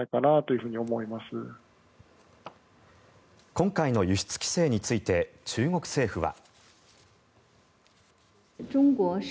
今回の輸出規制について中国政府は。